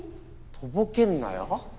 とぼけんなよ。